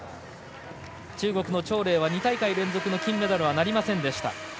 中国の張麗は２大会連続の金メダルはなりませんでした。